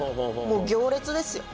もう行列ですよ